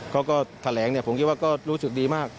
เขาก็แถลงผมคิดว่าก็รู้สึกดีมาก